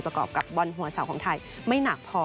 กับบอลหัวเสาของไทยไม่หนักพอ